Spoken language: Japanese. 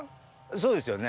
そうですよね？